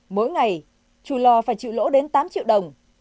mỗi ngày chủ lò phải chịu lỗ đến tám triệu đồng